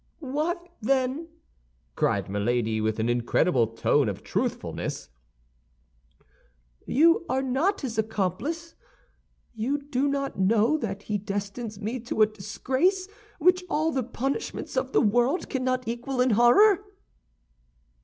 "Why, then," cried Milady, with an incredible tone of truthfulness, "you are not his accomplice; you do not know that he destines me to a disgrace which all the punishments of the world cannot equal in horror?"